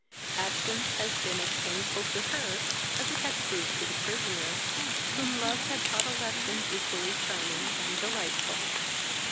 Absence had been as painful to her as it had proved to the prisoner, whom love had taught a lesson equally charming and delightful.